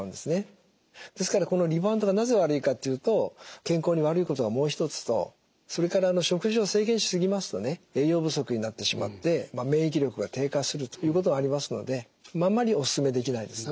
ですからこのリバウンドがなぜ悪いかっていうと健康に悪いことがもう一つとそれから食事を制限し過ぎますとね栄養不足になってしまって免疫力が低下するということがありますのであんまりオススメできないですね。